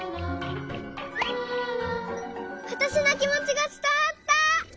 わたしのきもちがつたわった。